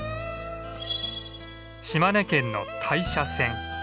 島根県の大社線。